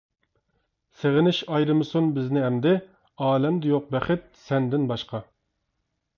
سېغىنىش ئايرىمىسۇن بىزنى ئەمدى، ئالەمدە يوق بەخت سەندىن باشقا !